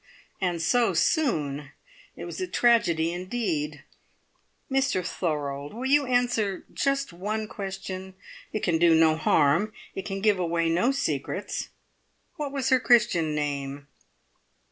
And so soon! It was a tragedy indeed. Mr Thorold, will you answer just one question? It can do no harm; it can give away no secrets. What was her Christian name?"